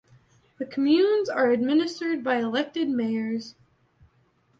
The communes are administered by elected Mayors.